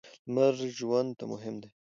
لمر ژوند ته مهم دی.